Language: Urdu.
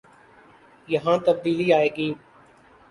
یہاں تبدیلی آئے گی۔